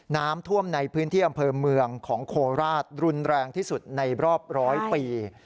น้ำท่วมในพื้นที่อำเภอเมืองของโคราชรุนแรงที่สุดในรอบร้อยปี